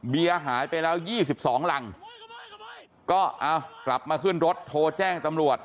หายไปแล้ว๒๒รังก็เอากลับมาขึ้นรถโทรแจ้งตำรวจ